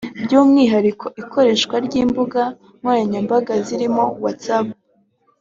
by’umwihariko ikoreshwa ry’imbuga nkoranyambaga zirimo WhatsApp